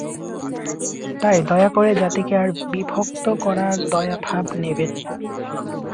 তাই দয়া করে জাতিকে আর বিভক্ত করার দায়ভার নেবেন না।